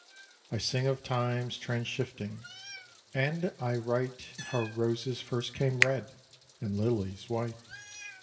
I sing of times trans shifting; and I write How roses first came red, and lilies white.